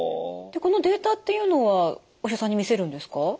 このデータっていうのはお医者さんに見せるんですか？